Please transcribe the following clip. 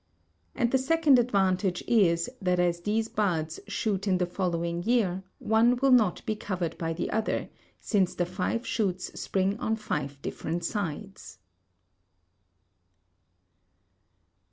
And the second advantage is that as these buds shoot in the following year, one will not be covered by the other, since the five shoots spring on five different sides.